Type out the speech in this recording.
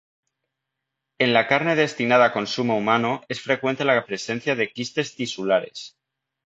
En la carne destinada a consumo humano es frecuente la presencia de quistes tisulares.